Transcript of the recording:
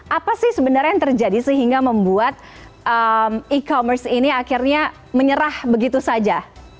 apa sih sebenarnya yang terjadi sehingga membuat e commerce ini akhirnya menyerah begitu saja